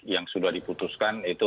yang sudah diputuskan itu